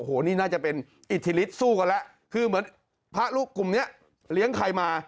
โอ้โหนี่น่าจะเป็นอิทธิฤทธิสู้กันแล้วคือเหมือนพระลูกกลุ่มนี้เลี้ยงใครมา